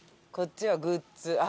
こっちはグッズ。